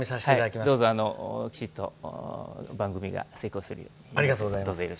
きちっと番組が成功するように。